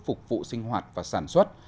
phục vụ sinh hoạt và sản xuất